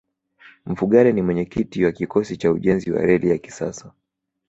mfugale ni mwenyekiti wa kikosi cha ujenzi wa reli ya kisasa